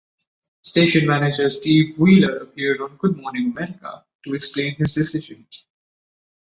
Station Manager Steve Wheeler appeared on "Good Morning America" to explain his decision.